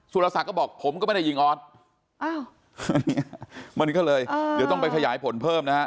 สุรศักดิ์ก็บอกผมก็ไม่ได้ยิงออสอ้าวมันก็เลยเดี๋ยวต้องไปขยายผลเพิ่มนะฮะ